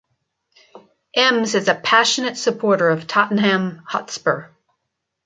Emms is a passionate supporter of Tottenham Hotspur.